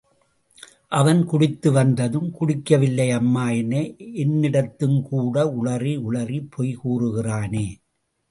அவன் குடித்து வந்தும், குடிக்கவில்லை அம்மா என என்னிடத்துங்கூட உளறி உளறிப் பொய் கூறுகிறானே.